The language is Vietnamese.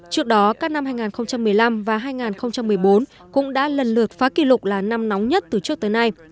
trước đó các năm hai nghìn một mươi năm và hai nghìn một mươi bốn cũng đã lần lượt phá kỷ lục là năm nóng nhất từ trước tới nay